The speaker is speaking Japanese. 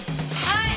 はい。